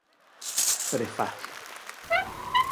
Prefacio